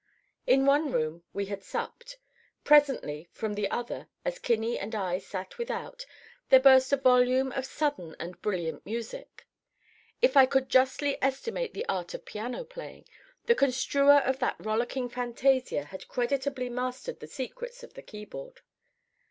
In one room we had supped. Presently, from the other, as Kinney and I sat without, there burst a volume of sudden and brilliant music. If I could justly estimate the art of piano playing, the construer of that rollicking fantasia had creditably mastered the secrets of the keyboard.